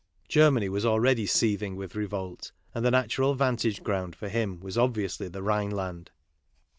Germany was already seething with revolt, and the natural vantage ground for him was obviously the Rhineland.